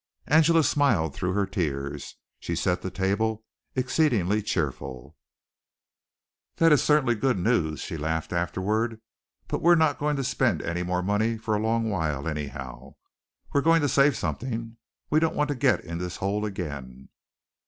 Angela smiled through her tears. She set the table, exceedingly cheerful. "That certainly is good news," she laughed afterward. "But we're not going to spend any more money for a long while, anyhow. We're going to save something. We don't want to get in this hole again."